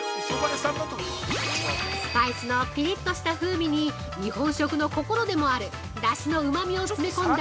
スパイスのピリッとした風味に日本食の心でもある出汁のうまみを詰め込んだ